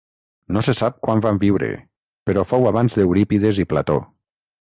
No se sap quan van viure, però fou abans d'Eurípides i Plató.